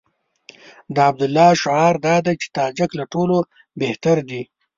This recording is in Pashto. د عبدالله شعار دا دی چې تاجک له ټولو بهتر دي.